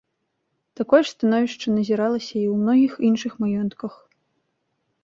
Такое ж становішча назіралася і ў многіх іншых маёнтках.